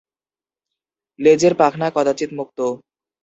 লেজের পাখনা কদাচিৎ মুক্ত।